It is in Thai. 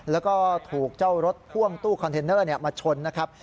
แล้วก็ถูกเจ้ารถพ่วงตู้คอนเทนเนอร์มาชนนะครับ